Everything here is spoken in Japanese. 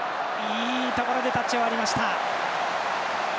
いいところでタッチを割りました。